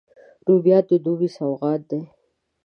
رومیان د دوبي سوغات دي